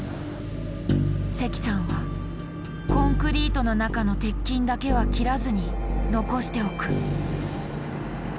関さんはコンクリートの中の鉄筋だけは切らずに残しておく。